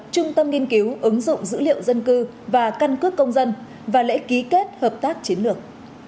trung tâm nghiên cứu ứng dụng dữ liệu dân cư và căn cước công dân và lễ ký kết hợp tác chiến lược